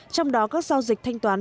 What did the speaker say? trong đó các giao dịch thanh toán